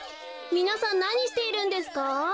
みなさんなにしているんですか？